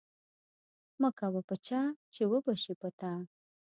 مکوه په چا چی وبه شی په تا